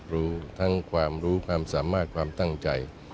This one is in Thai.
รู้ทั้งความรู้ความสามารถความตั้งใจ